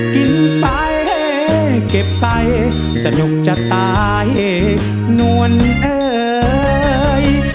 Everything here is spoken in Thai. กินไปเก็บไปสนุกจะตายนวลเอ่ย